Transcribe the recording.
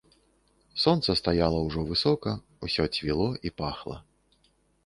Сонца стаяла ўжо высока, усё цвіло і пахла.